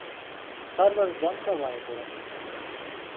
Server बन्द भएको रहेछ ।